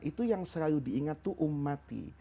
itu yang selalu diingat itu umati